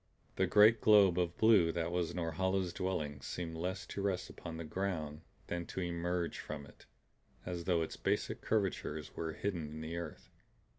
The great globe of blue that was Norhala's dwelling seemed less to rest upon the ground than to emerge from it; as though its basic curvatures were hidden in the earth.